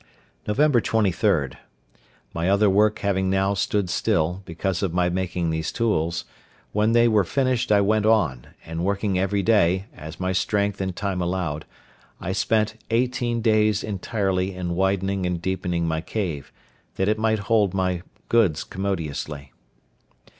Nov. 23.—My other work having now stood still, because of my making these tools, when they were finished I went on, and working every day, as my strength and time allowed, I spent eighteen days entirely in widening and deepening my cave, that it might hold my goods commodiously.